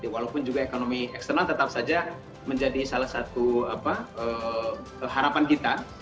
walaupun juga ekonomi eksternal tetap saja menjadi salah satu harapan kita